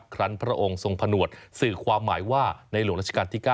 ครั้งพระองค์ทรงผนวดสื่อความหมายว่าในหลวงราชการที่๙